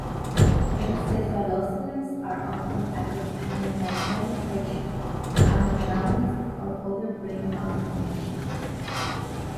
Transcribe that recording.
Encephaloceles are often accompanied by craniofacial abnormalities or other brain malformations.